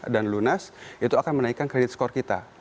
dan lunas itu akan menaikkan kredit skor kita